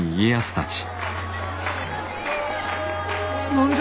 何じゃ？